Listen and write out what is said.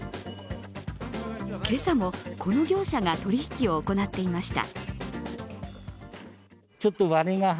今朝も、この業者が取引を行っていました。